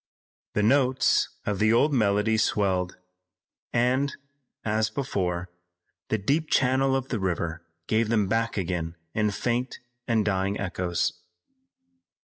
The notes of the old melody swelled, and, as before, the deep channel of the river gave them back again in faint and dying echoes.